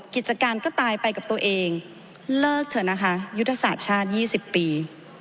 กิจการก็ตายไปกับตัวเองเลิกเถอะนะคะยุทธศาสตร์ชาติ๒๐ปี